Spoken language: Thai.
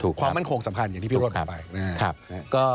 ความมั่นคงสำคัญอย่างที่พี่โรจน์บอกไป